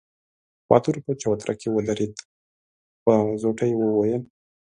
باتور په چوتره کې ودرېد، په زوټه يې وويل: